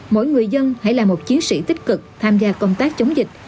mỗi người dân hãy là một chiến sĩ tích cực tham gia công tác chống dịch